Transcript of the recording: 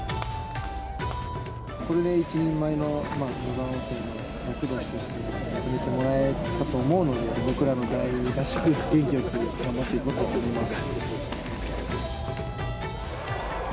これで一人前の野沢温泉の厄年として認めてもらえたと思うので、僕らの代らしく、元気よく頑張っていこうと思います。